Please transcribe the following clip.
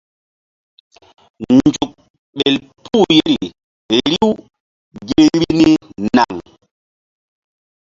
Nzuk ɓel puh yeri riw gi vbi ni naŋ.